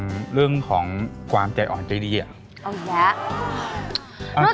แม่บ้านประจันบัน